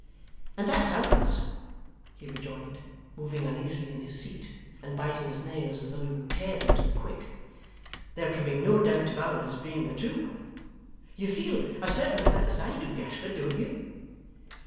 'And that's ours,' he rejoined, moving uneasily in his seat, and biting his nails as though he would pare them to the quick. 'There can be no doubt of ours being the true one. You feel as certain of that as I do, Gashford, don't you?